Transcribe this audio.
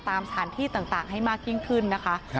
ตามสถานที่ต่างให้มากยิ่งขึ้นนะคะ